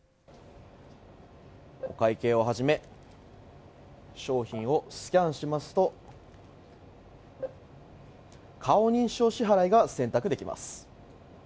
お会計を始め商品をスキャンしますと顔認証支払いが選択できます。